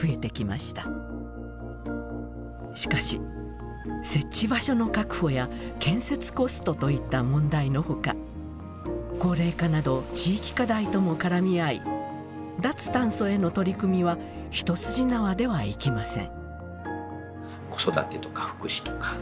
しかし設置場所の確保や建設コストといった問題のほか高齢化など地域課題とも絡み合い脱炭素への取り組みは一筋縄ではいきません。